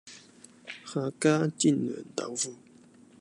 客家煎釀豆腐